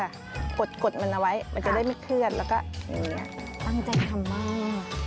เอากดมันเอาไว้มันจะได้ไม่เคลื่อนแล้วก็อย่างนี้